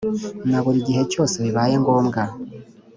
Na buri gihe cyose bibaye ngombwa